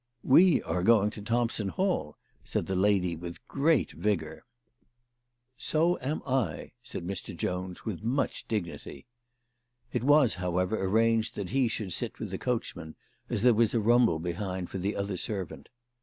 " We are going to Thompson Hall," said the lady with great vigour. 250 CHRISTMAS AT THOMPSON HALL. " So am I," said Mr. Jones, with much dignity. It was, however, arranged that he should sit with the coachman, as there was a rumble behind for the other servant.